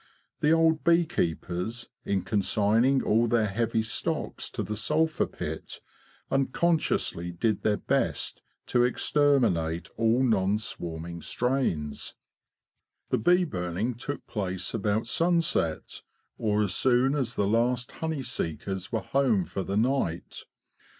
The old bee keepers, in con signing all their heavy stocks to the sulphur pit, unconsciously did their best to exterminate all non swarming strains, THE BEE BURNERS ail The bee burning took place about sunset, or as soon as the last honey seekers were home for the night.